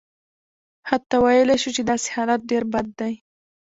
حتی ویلای شو چې داسې حالت ډېر بد دی.